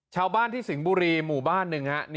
ชาวบ้านที่สิงห์บุรีหมู่บ้านหนึ่งฮะ